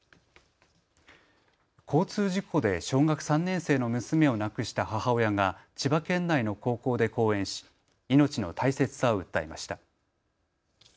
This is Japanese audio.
交通事故で小学３年生の娘を亡くした母親が千葉県内の高校で講演し命の大切さを訴えました。